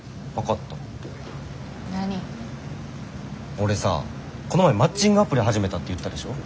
俺さこの前マッチングアプリ始めたって言ったでしょ？